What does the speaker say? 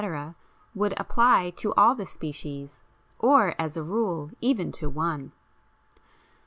would apply to all the species, or, as a rule, even to one.